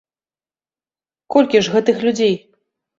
Колькі ж гэтых людзей?